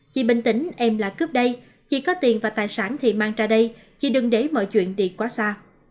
chị bình tĩnh em lại cướp đây chị có tiền và tài sản thì mang ra đây chị đừng để mọi chuyện đi quá xa